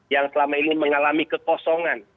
yang selama ini mengalami kekosongan